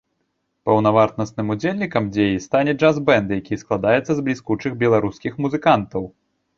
Паўнавартасным удзельнікам дзеі стане джаз-бэнд, які складаецца з бліскучых беларускіх музыкантаў.